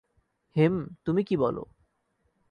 হেম, তুমি কী বল?